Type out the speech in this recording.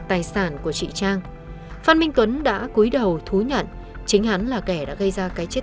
tài sản của chị trang phan minh tuấn đã cuối đầu thú nhận chính hắn là kẻ đã gây ra cái chết